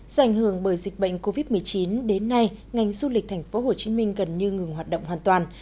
do ảnh hưởng bởi dịch bệnh covid một mươi chín đến nay ngành du lịch thành phố hồ chí minh gần như ngừng hoạt động hoàn toàn